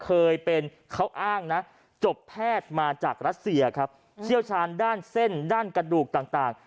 เคยเป็นเขาอ้างนะจบแพทย์มาจากรัสเซียครับเชี่ยวชาญด้านเส้นด้านกระดูกต่าง